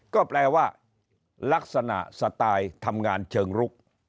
ก็แปลว่าลักษณะสไตล์ทำงานเชิงลุก